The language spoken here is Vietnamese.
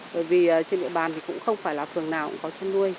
bởi vì trên địa bàn thì cũng không phải là phường nào cũng có chăn nuôi